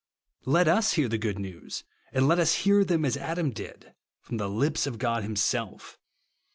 Let us hear the good news, and let us hear them as Adam did, — from the lips of God himself.